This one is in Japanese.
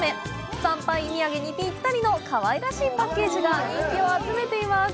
参拝土産にぴったりのかわいらしいパッケージが人気を集めています。